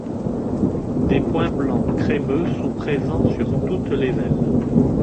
Des points blancs crémeux sont présents sur toutes les ailes.